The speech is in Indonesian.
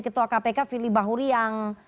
ketua kpk firly bahuri yang